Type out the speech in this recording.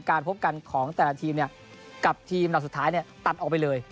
การพบกันของแต่ละทีมกับทีมดับสุดท้ายตัดออกไปเลย